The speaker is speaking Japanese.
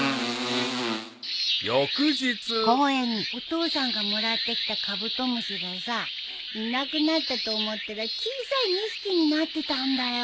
［翌日］お父さんがもらってきたカブトムシがさいなくなったと思ったら小さい２匹になってたんだよ。